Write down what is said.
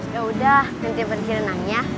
yaudah nanti berkira kira nanya